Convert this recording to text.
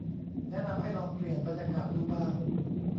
แนะนำให้ลองเปลี่ยนบรรยากาศดูบ้าง